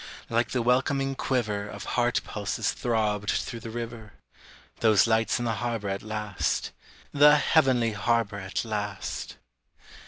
like the welcoming quiver Of heart pulses throbbed through the river, Those lights in the harbor at last, The heavenly harbor at last!